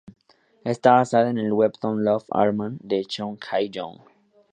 Está basada en el webtoon "Love Alarm" de Chon Kye-young.